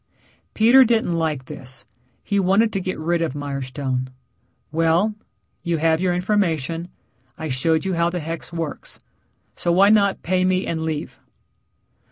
Peter didn't like this. He wanted to get rid of Mirestone. "Well, you have your information. I showed you how the hex works. So, why not pay me and leave?"